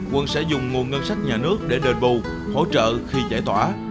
quận sẽ dùng nguồn ngân sách nhà nước để đền bù hỗ trợ khi giải tỏa